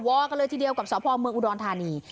อกันเลยทีเดียวกับสพเมืองอุดรธานี